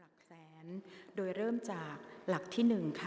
หลักแสนโดยเริ่มจากหลักที่๑ค่ะ